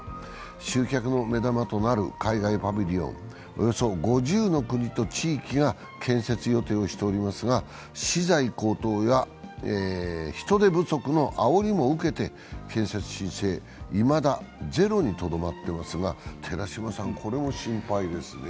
集客の目玉となる海外パビリオン、およそ５０の国と地域が建設予定をしていますが資材高騰や、人手不足のあおりも受けて、建設申請はいまだゼロにとどまっていますが、寺島さん、これも心配ですね。